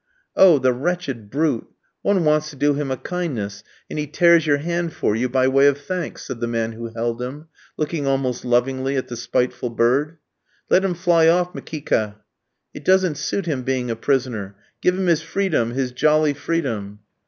"Oh, the wretched brute. One wants to do him a kindness, and he tears your hand for you by way of thanks," said the man who held him, looking almost lovingly at the spiteful bird. "Let him fly off, Mikitka!" "It doesn't suit him being a prisoner; give him his freedom, his jolly freedom."